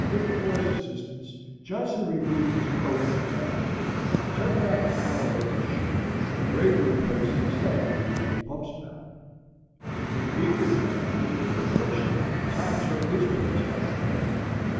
With the boy's assistance, Johnson removed his coat and neckcloth, turned back the collar of his shirt, and gravely placed his head beneath the pump spout. With equal gravity and deliberation, Tom took his place at the handle.